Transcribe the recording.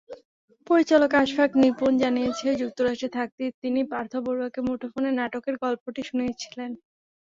পরিচালক আশফাক নিপুণ জানিয়েছেন, যুক্তরাষ্ট্রে থাকতেই তিনি পার্থ বড়ুয়াকে মুঠোফোনে নাটকের গল্পটি শুনিয়েছিলেন।